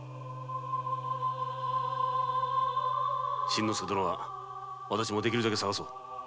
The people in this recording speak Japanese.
真之介殿は私も出来るだけ捜そう！